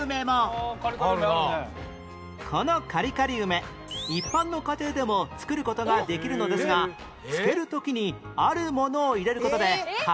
このカリカリ梅一般の家庭でも作る事ができるのですが漬ける時にあるものを入れる事でカリッとできるんです